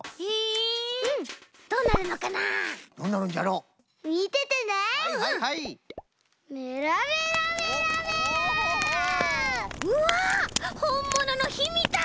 うわほんもののひみたい！